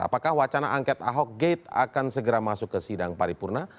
apakah wacana angket ahok gate akan segera masuk ke sidang paripurna